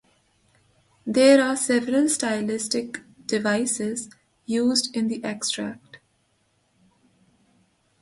There are several stylistic devices used in the extract.